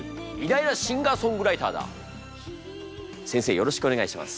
よろしくお願いします。